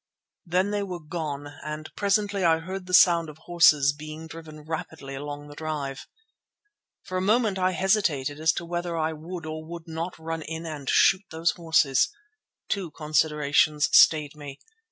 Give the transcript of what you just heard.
Then they were gone and presently I heard the sound of horses being driven rapidly along the drive. For a moment I hesitated as to whether I would or would not run in and shoot those horses. Two considerations stayed me.